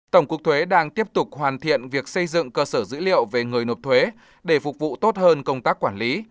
tổng cục thuế đang tiếp tục hoàn thiện việc xây dựng cơ sở dữ liệu về người nộp thuế để phục vụ tốt hơn công tác quản lý